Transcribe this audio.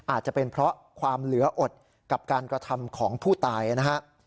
อาจจะเป็นเพราะความเหลืออดกับการกระทำของผู้ตายนะฮะ